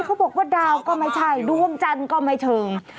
เขาบอกว่าดาวก็ไม่ใช่ดวงจันทร์ก็ไม่เชิง